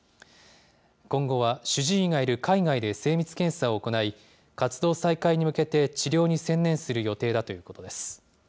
今後は主治医がいる海外で精密検査を行い、活動再開に向けて治療に専念する予定だということです。